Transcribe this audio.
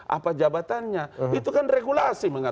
apa jabatannya itu kan regulasi